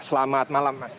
selamat malam mas